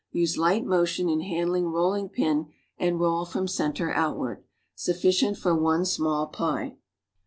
Use light motion in handling rolling pin and roll from c entcr outward. Sufficient for one small pie.